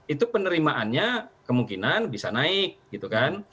itu penerimaannya kemungkinan bisa naik gitu kan